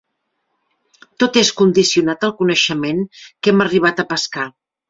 Tot és condicionat al coneixement que hem arribat a pescar.